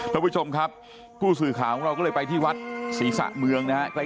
ท่านผู้ชมครับผู้สื่อข่าวของเราก็เลยไปที่วัดศรีสะเมืองนะฮะ